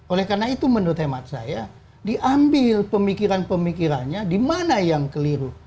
oleh karena itu menurut hemat saya diambil pemikiran pemikirannya di mana yang keliru